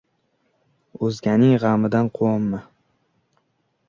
O‘zganing g‘amidan quvonma!